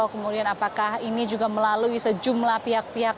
kemudian apakah ini juga melalui sejumlah pihak pihak